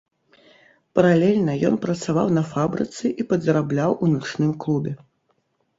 Паралельна ён працаваў на фабрыцы і падзарабляў у начным клубе.